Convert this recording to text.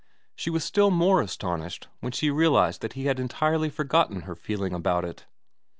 She was still more astonished when she realised that he had entirely forgotten her feeling about it.